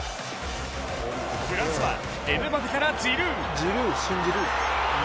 フランスはエムバペからジルー。